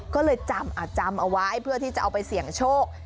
ก็เลยจำเอาไว้เพื่อที่จะเอาไปเสี่ยงโชค